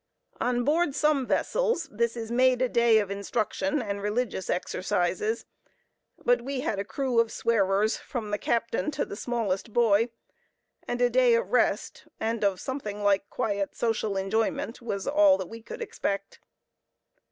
On board some vessels this is made a day of instruction and of religious exercises; but we had a crew of swearers, from the captain to the smallest boy; and a day of rest, and of something like quiet social enjoyment, was all that we could expect.